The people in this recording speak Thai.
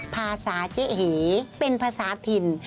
ภาษาเจ๊เหเป็นภาษาถิ่น